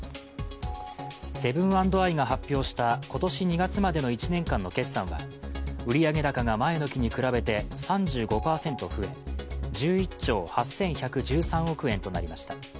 セブン＆アイが発表した今年２月までの１年間の決算は売上高が前の期に比べて３５％増え１１兆８１１３億円となりました。